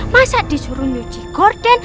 masa disuruh nyuci gorden